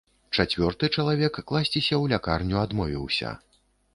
Чацвёрты чалавек класціся ў лякарню адмовіўся.